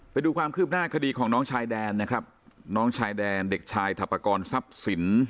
ไปดูความคืบหน้าคดีของน้องชายแดนนะครับน้องชายแดนเด็กชายถัปกรทรัพย์สิน